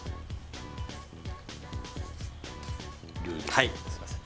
ルールはいすいません